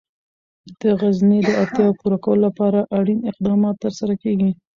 د غزني د اړتیاوو پوره کولو لپاره اړین اقدامات ترسره کېږي.